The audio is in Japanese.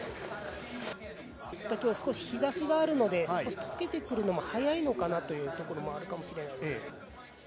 今日、少し日差しがあるので、溶けてくるのも早いのかなというところもあるかもしれないです。